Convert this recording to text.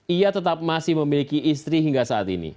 ia tetap masih memiliki istri hingga saat ini